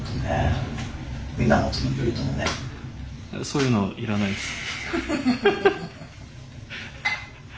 そういうのいらないです。